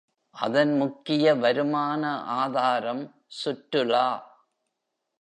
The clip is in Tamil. அதன் முக்கிய வருமான ஆதாரம் சுற்றுலா.